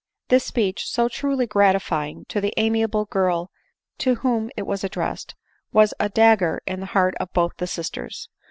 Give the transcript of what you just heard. This speech, so truly gratifying to the amiable girl to whom it was addressed, was a dagger in the heart of both the sisters.